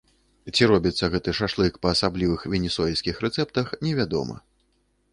Ці робіцца гэты шашлык па асаблівых венесуэльскіх рэцэптах, невядома.